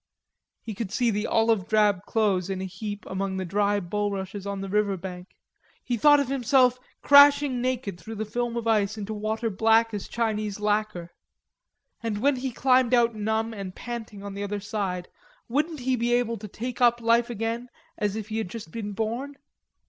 He could see the olive drab clothes in a heap among the dry bullrushes on the river bank.... He thought of himself crashing naked through the film of ice into water black as Chinese lacquer. And when he climbed out numb and panting on the other side, wouldn't he be able to take up life again as if he had just been born?